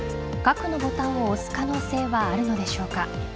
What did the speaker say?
核のボタンを押す可能性はあるのでしょうか。